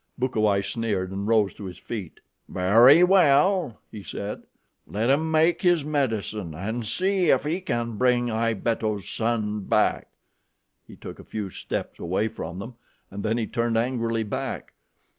Bukawai sneered and rose to his feet. "Very well," he said, "let him make his medicine and see if he can bring Ibeto's son back." He took a few steps away from them, and then he turned angrily back.